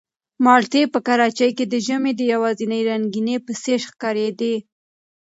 مالټې په کراچۍ کې د ژمي د یوازینۍ رنګینۍ په څېر ښکارېدې.